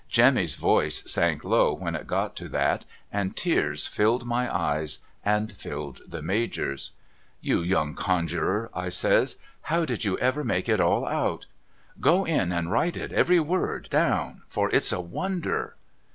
Jemmy's voice sank low when it got to that, and tears filled my eyes, and filled the Major's. 'You little Conjurer' I says, ' how did you ever make it all out ? Go in and write it every word down, for it's a wonder.'